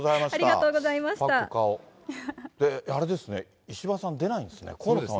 それで、あれですね、石破さん、出ないんですね。